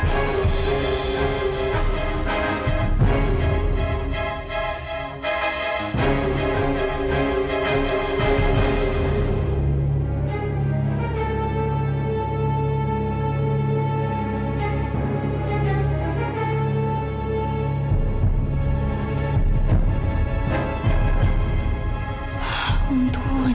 yang sepupu banget